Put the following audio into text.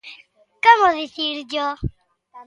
¿Como dicirllo?...